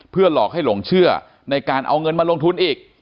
หลอกให้หลงเชื่อในการเอาเงินมาลงทุนอีก